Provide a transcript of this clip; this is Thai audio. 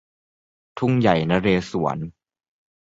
ทุ่งใหญ่นเรศวร